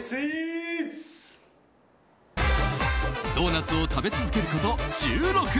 ドーナツを食べ続けること１６年。